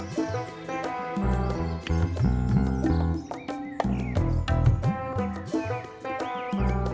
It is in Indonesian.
sampai jumpa di video selanjutnya